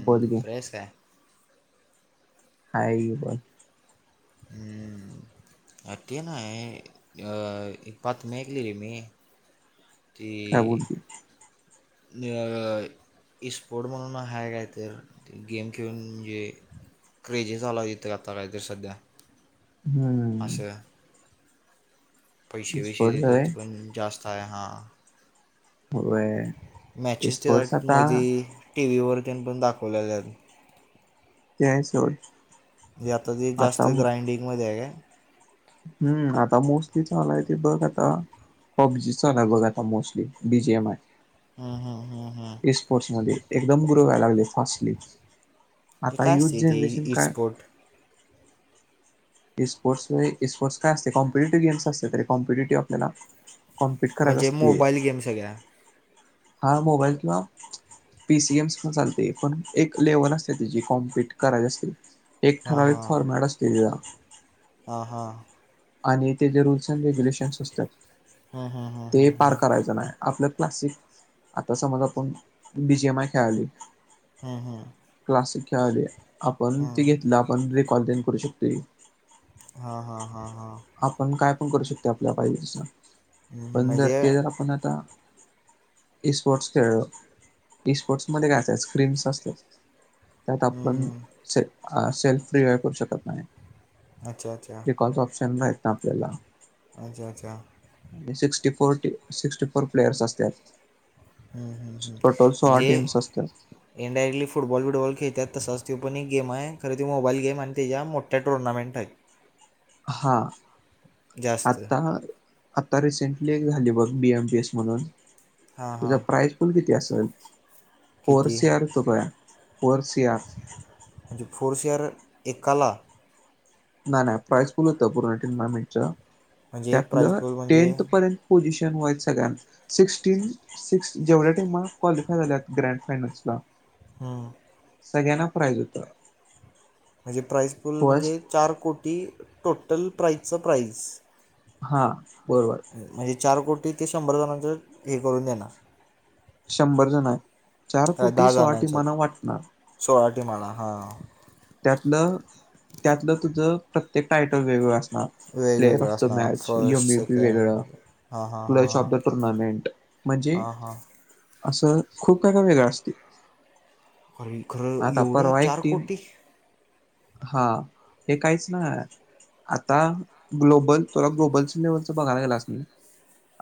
बोल की फ्रेश काय? हाय बा. हम्म [inaudible] अ ते नाय, अ पात मेकली र मी. ते काय बोलती [unintelligible] स्पोर्ट म्हणून हा काय तर गेम खेळून म्हणजे क्रेजी झाला इथातलात सध्या हम्म. असं पैसे स्पोर्ट्स होय वसेतीतच पण जास्त आहे हा होय मॅचेस त्या स्पोर्ट्स आता मध टीव्हीवरती पण दाखवल्या ज ते आहे सोड आता ते जास्त ग्रांडिंग मध्ये आहे त हम्म आता मोस्टली चालाय ते बघ आता पबजीचा ना बघ आता mostly B G M I हा हा हा. हे स्पोर्ट्समध्येध्ये एकदम ग्रो व्हायला लागले फास्टली ते आता काय युथ असते ते जनरेशन ई काय स्पोर्ट स्पोर्ट्स स्पोर्ट्सयते कॉम्पटिव्ह गम्स अस तरीॉ्पिटेटिव आपल्याला कॉम्पिट करात म्हणजे असते मोबाईल गेम सगळ्या हा मोबाईल किंवा पी सी एमस चालते पण एक लेवल असते तिची कॉम्पिट करायची असते एक हां ठराविक हां फॉर्मॅट असते तिचा हा हा आणि ते जे रूल्स अँड रेग्युलेशन्स असतात हा हा ह. ते पार करायचं नाही आपलं क्लासिक आता समज आपण बीजीएम आय खेळाली. हम् हम् क्लासिक खेळाले आपण ते घेतलं आपण र कॉलज करू शकते. हा हा हा हा. आपण काय पण करू शकते आपल्या पाहिजे तस हम्म पण जर म्हणजे ते जर हम्म आपण आता स्पोर्ट्स खेळलो स्पोर्ट्स मध्ये गाचायच. स्क्रीन्स असते त्यात आपण हम्म से सेल्फ फ्री वय करू शकतो. अच्छा अच्छा. ऑप्शन मा ना आपल्याला अच्छा अच्छा. आणि sixty four sixty four players असतात. हम्म हम्म टटोल सोळा ट इम्स असत. इनडायरेटली फुटबॉल बिबॉल खेळतात तसाच तो पण एक गेम आहे खरे त मोबाईल गेम आणि त्या्या मोठ्या टुर्नामेंट आहेत. हा जास्त आता आता रिसेंटली एक झाली बघ बी एम बी एस म्हणून हां त्याचा हां प्राईज. स्कूल किती अस असल फोर किती सी आर तू ग फोर सी आर म्हणजे फोरसिअर एक कला नाही नाही प्राईजफुल होत पूर्ण टुर्नामेंटच म्हणजे प्राईज त्यातलं पूल म्हणजे टेनथ पर्यंत पझिशन व सगळ्या सिक्टीन. सिक्स् जेवढ्या टेमला क्वालिफाय झाल्यात ग्रँड फायनल्स ला हम. सगळ्यांना प्राज होतं. म्हणजे प्राईस फुल म्हणजे फर्स्ट चार कोटी टोटल प्राइजच प्राईज हा बरोबर म्हणजे चार कोटी ते शंभर जणांच हे करून देणार शंभर जण आहे चार फुटी सोहाटी मना वाटणार. सोळाटी मळा हा. त्यातलं त्यातलं तुझं प्रत्येक टायटम वेगवेगळं असत. वेगवेगळं असणार फर्स्ट वेगळं सेकेंड हा हा हा क्लच हा ऑफ द टुर्नामेंट म्हणजे हां हां असं खूप काय काय वेगळं असते खर खरं आता एवढं परवा एक चार टीम कोटी हा हे काहीच ना आता ग्लोबल तला ग्लोबल लेवलच बघायला गेलास नाही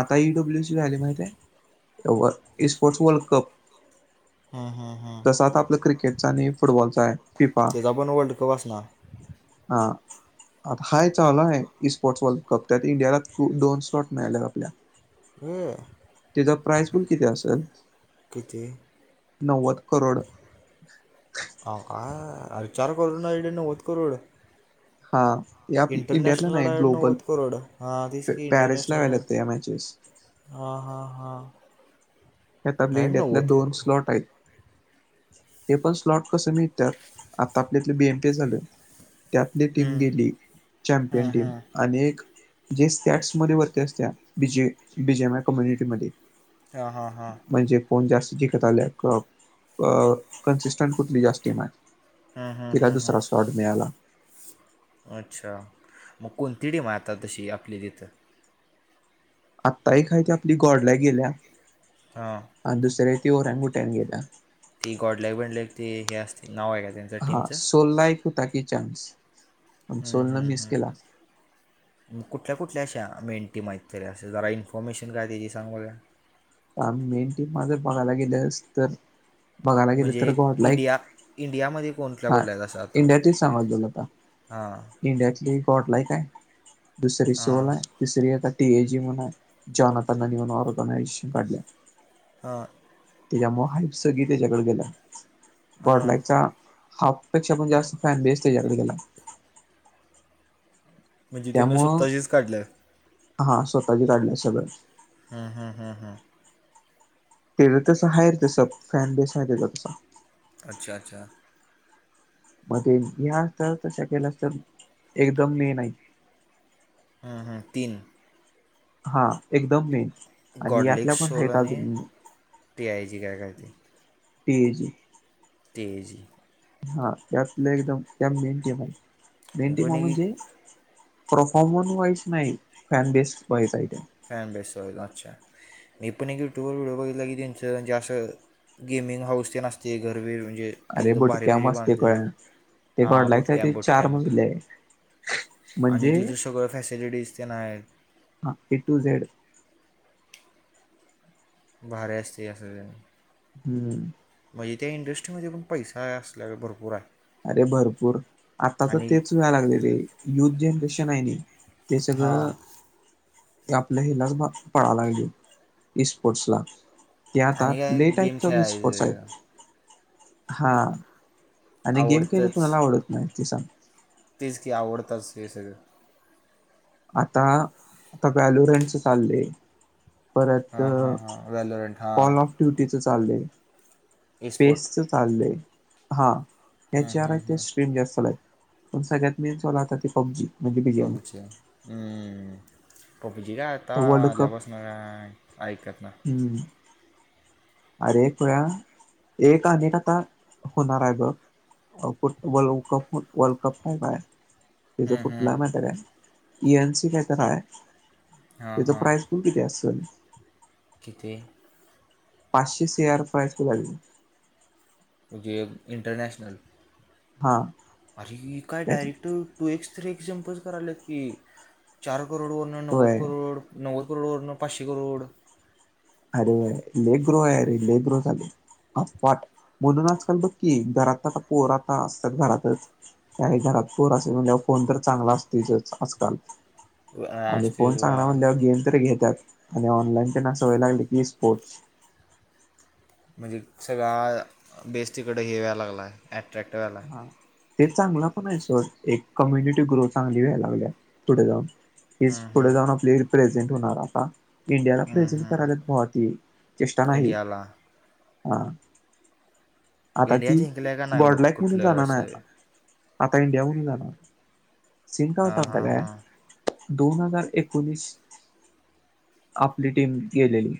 आता ईडब्ल्यू सी झाली माहिती आहे स्पोर्ट्स वर्ल्ड कप हा हा तसाच आपला क्रिकेटचा आणि फुटबॉलचा आहे पिपाा त्याचा पण वर्ल्ड कप असणार हा आता हाय चालु आहे स्पोर्टस वल् कप्त्यात इंडियाला दोन शॉट मिळालेत आपल्या ए, त्याचा प्राइस पण किती असतात किती नव्वद करोड [inaudible] हा या इंडियातला इंटरनेशनल नाही आडाड ग्लोबल नवत करोड हा तीसकी पॅरिसला इंटरनेशनल व्हायला आ या मॅचेस हा हा हा यात आपल्या इंडियातल्या दोन करोड स्लॉट आहेत हे पण स्लॉट कसे मिळतात आता आपल्यातले बीएमटे झाले त्यातली टीम हं, गेली चॅम्पियन हं, टीम हं. आणि एक जे त्याट्समध्ये वरते असत्या B J B J M I कम्युनिटीमध्ये हा हा हा म्हणजे फोन जास्त जिखत आले कन्सिस्टंट कुठली जास् टम आहे हां हां हां हां [inaudible] अच्छा मग कोणती टीम आता तशी आपली तिथं आत्ता एक खायती आपली गोडल्या गेल्या हां आणि दुसऱ्या त ओऱ्यान गुट्याने गेल्या ती गोडलेक बिणले ती हे असतीते नावयते हा सोल ला एक होता की चान्स पण हम्म, सोल न हम्म, मिस केला हम्म. कुठल्या कुठल्या अशा मेंटी माहीत तरी असे जरा इन्फॉर्मेशन काय त्याची सांग बघा [inaudible] बघायला गेले म्हणजे तर गोला एक इंडिया इंडियामध्ये कोणत्या हा इंडियाच सांग गला आता हा इंडियातली गॉड लाईक आहे दुसरी सोल हां आहे तिसरी आता टी ए जी म्हण जनताना म्हण ऑर्गनायझेशन काढल्या हा त्याच्यामुळे हाईप सगी त्याच्याकडे गेलं हां बर्डलाईकचा हाफपेक्षा पण जास्त फॅन बेस्टतेच्यात त्याला म्हणजे त्यानं त्यामुळं स्वताशीच काढल्या हा स्वतःचे काढले सगळं हा हा हा हा तेच तसं आहे र तस फॅन बेस नाही त्याच तसं अच्छा अच्छा मध्ये ह असत तशा केलं असत एकदम मे नाही हा हां तीन हा एकदम मेन आणि गॉडलिक यातल्या पण सोल आहेत आणि अजून टी आय जी काय करते. पी ज तेजी हा त्यातलं एकदम त्या मेन टीम आहे मी मेन पण टीमा एक म्हणजे परफॉर्मन वाईज नाही fan best Wai [inaudible] gaming house ते नसते घरवेर म्हणजे अरे एकदम भारी बुटक्या बरी मस्त बांधली कळना ते हा गॉड लाईक ते बुटकॅम्प चार बुटकॅम्प मजले आहे आणि म्हणजे तिथे सगळं फॅसिलिटीज ते नाही आहेत. हा ए टू झेड भार असते अस असन हम्म म्हणजे त्या इंडस्ट्रीमध्ये पण पैसा असल्यावर भरपूर आहे अरे भरपूर आता तर आणि तेच वेळा लागले र युथ जनरेशन आहे नि ते हां सगळं आपल्या हिला पळाला लागेल स्पोर्टस ला, ते आता आणि काय लेट आहेत गेम त मी स्पोटस खेळायचं आहेत हा, आणि गेम खेळलं कोुणाला आवडत नाही ते सांग. तीच की आवडताच ये सो आता आता व्हॅलुरेंच चाललेय. परत हां हां हां व्हॅलोरंट हां कॉल ऑफ ट्युटीच चाललंय एस्पोर्ट पेसच चाललंय हा याचे आर आहे ते स्ट्रीम जास्त चल आहेत पण सगळ्यात मेन आता ते पबजी म्हणजे बीजीएम आय. पबजी काय आता आल्यापासन ऐकत ना हम् अरे पया एक अनेक आता होणार आहे बघ ुठ वप वर्ल्ड कप काय तिचा हम्म कुठला हम्म मटर आहे इएन सी काहीतरी हाय. हां हां कितीे पाचशे शेअर प्राइस क लाली म्हजे इंटरनेॅशनल हा अरे काय त्यात डायरेक्ट टू एक्स ्री एक्झाम्पल्स करालात की चार करोड वन नव्वद होय करोड नव्द करोडवरर पाचशे करोड अरे लेग्रो आहे अरे ले ग्रो चालू अफवाट म्हणून आजकाल बघकी घरात का पोर आता असतात घरातच त्याही घरात कोर असेल म्हणजे फोन तर चांगला असतील आजकाल अं, आणि असते फोन बा सांगण्या म्ह गेम तरी घेतात आणि ऑनलाईन प अस वय लागले की स्पोर्ट्स म्हणजे सगळ्या बेस् तिकड हे वयला लागला अट्रॅक्ट व्हायला. ते चांगला पण आहे स एक कम्युनिटी ग्रो चांगली व लागल्या पुढे जाऊन हीच पुढे जाऊन आपली रिप्रेझेंट होणार आता इंडियाला प्रेझेंट करायला चेष्टा नाही इंडियाला ह आता इंडिया ती जिंकल्या का नाही मग बॉर्डलॅक म्हणून कुठलं जाणार असं आता इंडिया म्हणून जाणार सिन का हां होतावता हां काय हां दोन हजार एकोणीस आपली टीम गेलेली.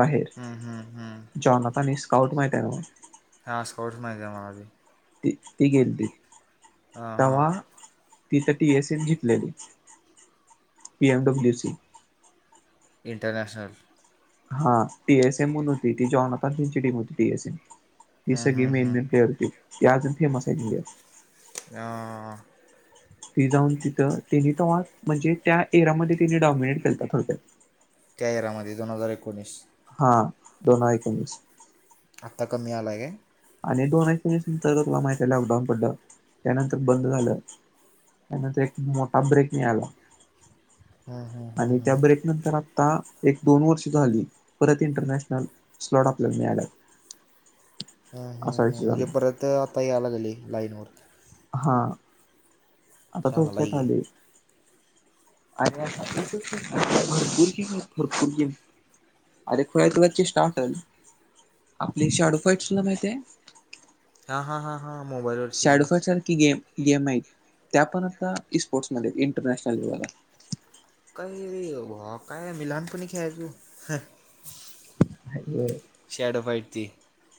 बाहेर हम्म हम्म हम्म जॉनकनी स्काउट माहिती आहे ना ह स्कोर्टस माहि का आहे मलाी त ती गेल त हां हां तेव्हा ति तर टी एस ए जिंकलेली पी एमडब्ल्यू सी इंटरनेॅशनल हा टी एस एमण होती ती जणत तची टीम होती टीएस एम ती सगळी मेनरिटी ती अजून फेमस आहेत इंडिया हा ती जाऊन तिथं त्यांनी ते्हा म्हणजे त्या एरमध्ये त्यांिने डॉमिनेट करतात थोडक्या त्या एरामध्ये दोन हजार एकोणीस हा दोन हजार एकोणीस. आत्ता कमी आला आहे का? आणि दोन अ पस नंतर तुला माहिती आहे लॉकडाऊन पडलं त्यानंतर बंद झालं त्यानंतर एक मोठा ब्रेक मिळाला हं, हं, हं, आणि त्या ब्रेक त्यानंतर आता एक दोन वर्ष झाली परत इंटरनॅशनल स्लॉट आपल्याला मिळाले हा हा हा म्हणजे झाला परत आता यायला गेली लाईन वर हा आता चांगला आहे धोक्यात की. आले अर भरपूर घ भरपूर घ अरे खुला आहे तुला क स्टाटल आपली शाडू फईट तुला माहिती आहे ह्या ह हा मोबाईल शॅडोफाईट सारखी गेम गेम आहेत त्या पण आता स्पोर्ट्समध्ये इंटरनॅशनल लेवलला काही ह काय मिलान क ख्याळायचू हर शॅडो फाईट ती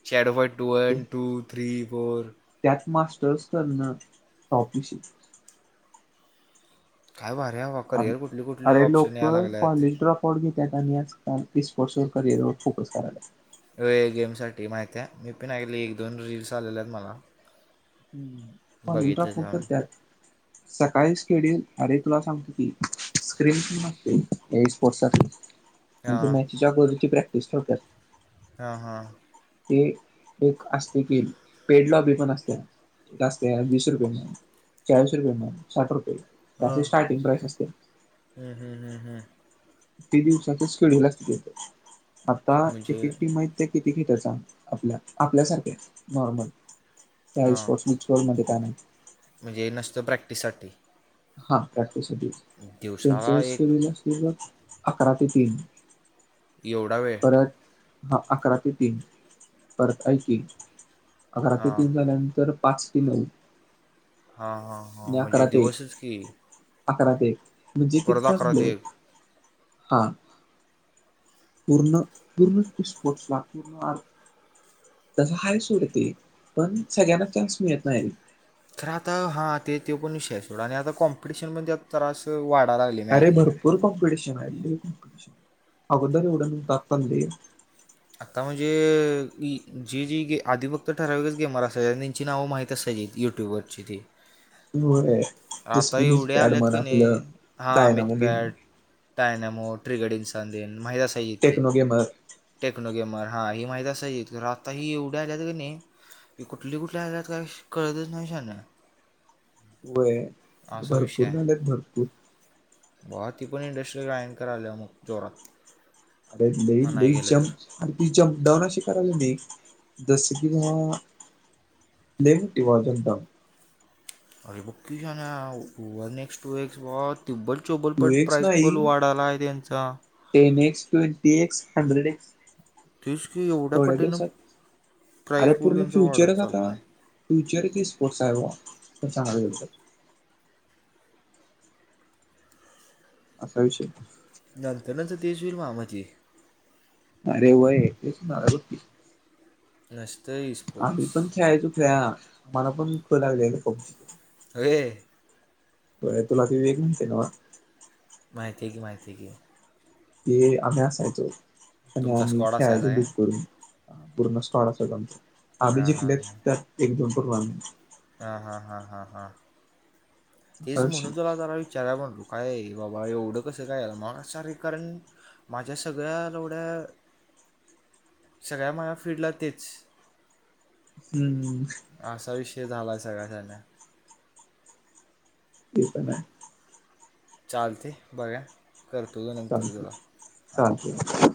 shadow fight two one two three four त्यात मास्टर्स करणं टॉपी श काय भारी आहे नव अर अरे लोक कॉलेज्रफ फॉड घेतात आणि याच स्पोर्ट्सवर करिअरवर फोकस कराला गेम साठी माहिती आहे मी पण आली एक दोन रीलल्स आलेले आहेत मला हम् पा बघितले टपूर तेव्हा मी करतेत सकाळीच खेळील अरे तुला सांगते की स्क्रीन असते स्पोर्ट म्हणजे हां मॅचच्या गरची प्रॅक्टिस थोडक्यात हां हां ते एक असते की पेडल बी पण असते एक असते वीस रुपयेण चाळीस रुपये म्ह साठ रुपये हा याचे स्टार्टिंग प्राइस असते हम्म हम् हम्म हम् त दिवसाच शेड्यूल अस तेत आता म्हणजे एक एकटी माहिती ते किती खेट आपल्या आपल्यासारखे नॉर्मल हई हां स्पोर्टस ब्सॉमध्येध्ये का आहे म्हणजे नसतं प्रॅक्टिससाठी हा प्रॅक्टिससाठी त्यांचं दिवसाला एक शरीर अस बग अकरा ते तीन एवढा वेळ तर हा अकरा ते तीन परत ऐ अकरा ते हां तीन झाल्यानंतर पाच ते नऊ हा हा हा आणि म्हणजे अकरा ते एक दिवसच की अकरा ते एक म्हणजे परत कतीका अकरा झा ते एक हा पण पण स्पोर्टस ला पर्ण तस हाय सोडते पण सगळ्यांना चान्स मिळत नाही तर आता हा ते तो पण शेय सोडा आणि आता कॉम्पिटिशन पण त्यात त्रास व वाढाला लागले मीकले र कॉंपिटेशन आहे इल् कॉपटेशन आहे उद्दे उडन तपंदली आत्ता म्हणजे ई जे जी गे आधी फक्त ठराविक गेमर अस आणि त्यांची नावं माहीत असायची. यूट्यूब वरची ते पिव्वर हे. आता एवढे आलेत का नाही हा डायनामो गेमिंग मितपॅठ टयनमो ट्रिगडन सांंदेन महिदा सयितती टेक्नो गेमर [unintelligible] टेक्नो गेमर हा ही माहित असायची तर आता हि एवढ्या आल्यात का नाही की कुठली कुठल्या आल्या काही कळतच नाही श वय असा विषय आहे बवा ती पण इंडस्ट्रीला अँकर आले मग जोरात अरे ल म्हणाय लच गेलं तर ती जंपडाऊन अशी करावी नाही जस की बाबा [unintelligible] लेवटी वाज दम [unintelligible] अरे पकीीूश ना नेक्स्ट टू एक्स बत [unintelligible] त्युब्बल चो्ल टू पट एक्स प्रास नाही पल वाढाला आहे त्यांचा [unintelligible] टेन एक्स ट्वेटी एक्स हंड्रेड एक्स [unintelligible] तेच की एवढ्या थोड्या पटीनं दिवसात प्राईस अरे पूल पूर्ण त्यांचा वाढत फ्युचरच आता. चालला आहे फ्युचर की स्पोर्ट्स आहे व तर चांगला होतात [unintelligible] असा विषय. नंतर नंतर तेच होईल मा माझ [unintelligible] अरे व्हय [unintelligible] नसत इस आम्ही पण खेळायचो ख आम्हाला पण ख लागलंय का पबजी [unintelligible] अ वे व्हय तुला ती वेग म्हणते ना, माहिती घे माहिती घे. हे आम्ही असायचो आणि तुमचा आम्ही स्कॉड असायचा खेळायच काय बुक करून. पूर्ण स्टॉळ असत आमच आम्ही हां जिंलेत त्यात एक दोन पूर्णम [unintelligible] हा हा हा हा हा. तेच असा विषय म्हणून तुला जरा विचारायला, म्हणलो काय बाबा एवढं कसं काय आ मग रे कारण माझ्या सगळ्या एवढ्या [unintelligible] सगळ्या माझ्या फीडला तेच. हम्म. असा विषय झालाय सगळ्या टन्या ते पण हाय. चालते बघा. करतू [unintelligible] थँक्यू चाक्यू [unintelligible]